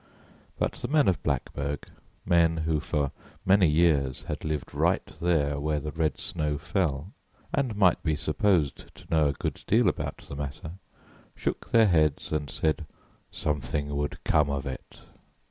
But the men of Blackburg men who for many years had lived right there where the red snow fell, and might be supposed to know a good deal about the matter shook their heads and said something would come of it.